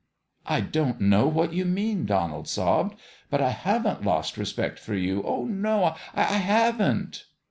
" I don't know what you mean," Donald sobbed ;" but I haven't lost respect for you oh, no I haven't